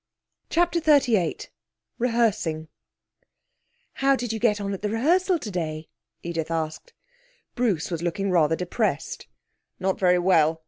CHAPTER XXXVIII Rehearsing 'How did you get on at the rehearsal today?' Edith asked. Bruce was looking rather depressed. 'Not very well.